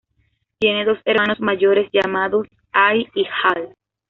Tiene dos hermanos mayores llamados Hay y Hal.